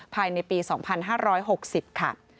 ภายในปี๒๕๖๐ค่ะ